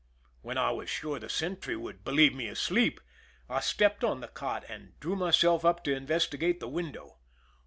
When I was sure the sentry would believe me asleep, I stepped on the cot, and drew myself up to investigate the window.